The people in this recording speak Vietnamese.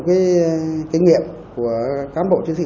cái kinh nghiệm của cán bộ chiến sĩ